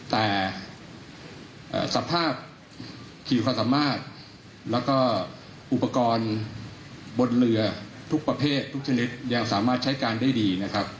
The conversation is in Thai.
แต่สภาพขี่ความสามารถแล้วก็อุปกรณ์บนเรือทุกประเภททุกชนิดยังสามารถใช้การได้ดีนะครับ